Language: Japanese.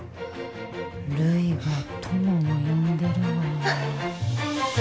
類が友を呼んでるわ。